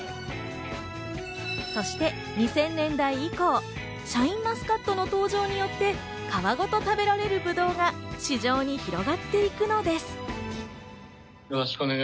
そして２０００年代以降、シャインマスカットの登場によって皮ごと食べられるぶどうが市場に広がっていくのです。